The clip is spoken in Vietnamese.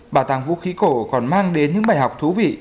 bảo tàng vũ khí cổ còn mang đến những bài học thú vị